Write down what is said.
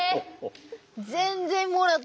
全然もらってない。